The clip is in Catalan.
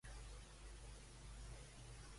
Amb qui més va tenir una relació Reo?